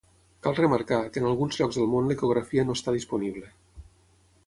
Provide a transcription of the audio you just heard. Cal remarcar, que en alguns llocs del món l'ecografia no està disponible.